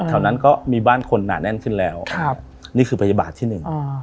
แถวนั้นก็มีบ้านคนหนาแน่นขึ้นแล้วครับนี่คือพยาบาลที่หนึ่ง